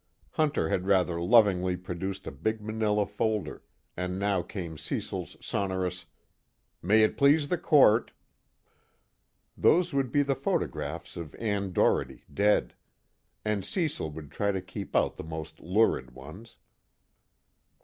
Hunter had rather lovingly produced a big Manila folder, and now came Cecil's sonorous: "May it please the Court " Those would be the photographs of Ann Doherty dead, and Cecil would try to keep out the most lurid ones.